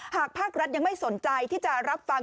หากภาครัฐยังไม่สนใจที่จะรับฟัง